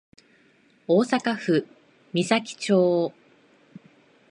大阪府岬町